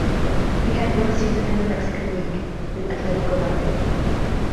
He had one season in the Mexican league, with Atletico Marte.